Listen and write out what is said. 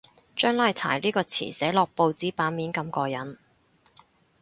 將拉柴呢個詞寫落報紙版面咁過癮